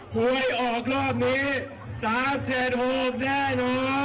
หวยออกรอบนี้๓๗๖แน่นอน